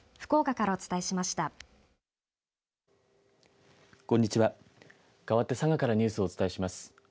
かわって佐賀からニュースをお伝えします。